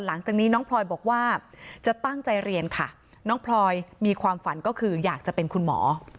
หลังจากนี้น้องพลอยบอกว่าจะตั้งใจเรียนค่ะน้องพลอยมีความฝันก็คืออยากจะเป็นคุณหมอ